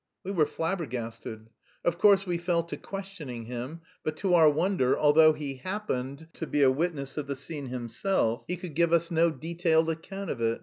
We were flabbergasted. Of course we fell to questioning him, but to our wonder, although he "happened" to be a witness of the scene himself, he could give us no detailed account of it.